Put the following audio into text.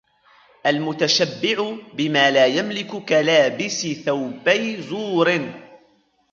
الْمُتَشَبِّعُ بِمَا لَا يَمْلِكُ كَلَابِسِ ثَوْبَيْ زُورٍ